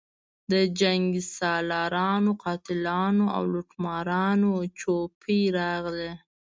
د جنګسالارانو، قاتلانو او لوټمارانو جوپې راغلي.